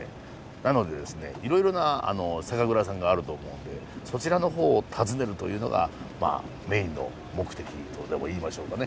なのでですねいろいろな酒蔵さんがあると思うのでそちらの方を訪ねるというのがメインの目的とでも言いましょうかね。